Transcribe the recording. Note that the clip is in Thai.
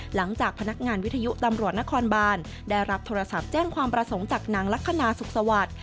หลังจากพนักงานวิทยุตำรวจนครบานได้รับโทรศัพท์แจ้งความประสงค์จากนางลักษณะสุขสวัสดิ์